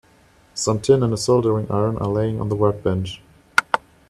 Some tin and a soldering iron are laying on the workbench.